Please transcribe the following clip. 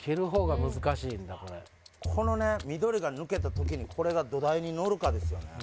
このね緑が抜けたときにこれが土台にのるかですよね